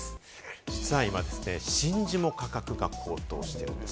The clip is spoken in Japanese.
実は今、真珠も価格が高騰しているんです。